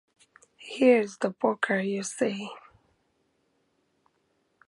Here's the poker, you see.